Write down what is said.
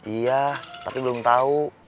iya tapi belum tahu